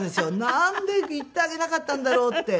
なんで行ってあげなかったんだろうって。